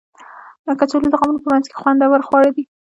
کچالو د غمونو په منځ کې خوندور خواړه دي